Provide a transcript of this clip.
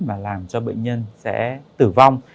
mà làm cho bệnh nhân sẽ tử vong